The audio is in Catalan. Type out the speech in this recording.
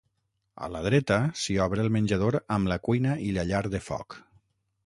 A la dreta, s'hi obre el menjador amb la cuina i la llar de foc.